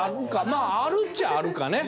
まああるっちゃあるかね。